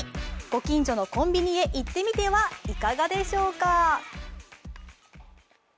ご近所のコンビニへ行ってみてはいかがでしょうか。